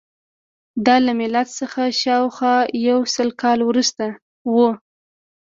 دا له میلاد څخه شاوخوا یو سل کاله وروسته وه